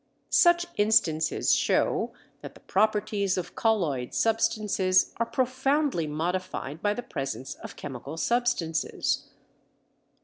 Such instances show that the properties of colloid substances are profoundly modified by the presence of chemical substances.